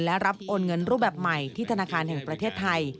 และรับโอนเงินรูปแบบใหม่ที่ธนาคารแห่งประเทศไทย